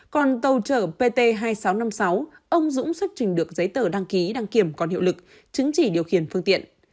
còn tàu chở pt hai nghìn sáu trăm năm mươi sáu ông dũng xuất trình được giấy tờ đăng ký đăng kiểm còn hiệu lực chứng chỉ điều khiển phương tiện